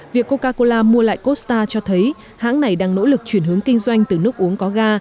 việc coca cola mua lại costa cho thấy hãng này đang nỗ lực chuyển hướng kinh doanh từ nước uống có ga